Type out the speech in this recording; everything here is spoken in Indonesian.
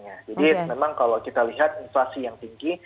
jadi memang kalau kita lihat inflasi yang tinggi